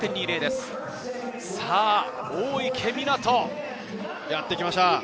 さあ、大池水やってきました。